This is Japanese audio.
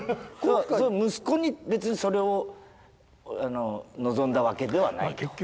息子に別にそれを望んだわけではないと。